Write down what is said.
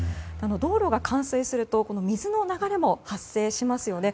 道路が冠水すると水の流れも発生しますよね。